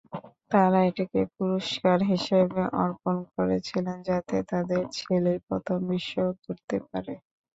তারা এটাকে পুরষ্কার হিসাবে অর্পন করেছিলেন যাতে তাদের ছেলেই প্রথম বিশ্বঘুরতে পারে।